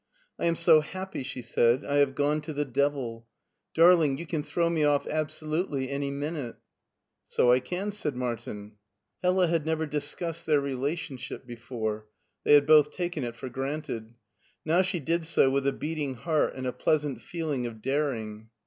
" I am so happy," she said, " I have gone to the dcviL Darling, you can throw me oflf absolutely any minute." " So I can," said Martin. Hella had never discussed their relationship before ; fliey had both taken it for granted. Now she did so with a beating heart and a pleasant feeling of daring.